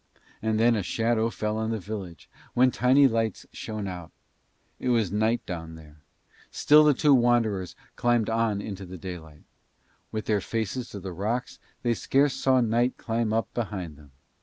And then a shadow fell on the village, then tiny lights shone out. It was night down there. Still the two wanderers climbed on in the daylight. With their faces to the rocks they scarce saw night climb up behind them.